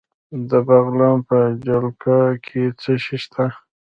د بغلان په جلګه کې څه شی شته؟